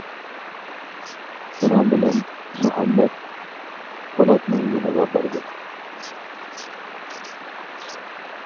شۇنىڭ بىلەن مۇھەممەت پولاتنىڭ يېنىغا باردۇق.